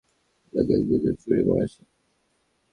নগ্নগাত্রকে নিয়ে পুরানা পল্টন এলাকায় গুজব ছড়িয়ে পড়েছে।